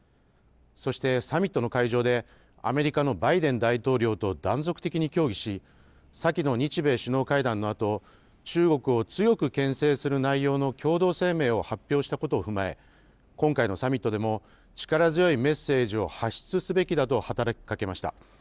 そしてサミットの会場で、アメリカのバイデン大統領と断続的に協議し、先の日米首脳会談のあと、中国を強くけん制する内容の共同声明を発表したことを踏まえ、今回のサミットでも、力強いメッセージを発出すべきだと働きかけました。